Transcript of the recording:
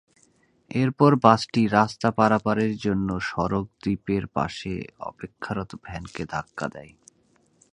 এরপর বাসটি রাস্তা পারাপারের জন্য সড়কদ্বীপের পাশে অপেক্ষারত ভ্যানকে ধাক্কা দেয়।